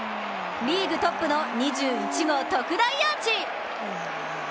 リーグトップの２１号特大アーチ。